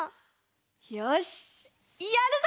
よしやるぞ！